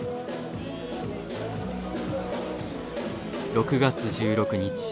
６月１６日。